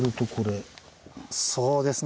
そうですね！